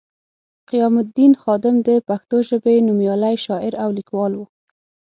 قیام الدین خادم د پښتو ژبې نومیالی شاعر او لیکوال وو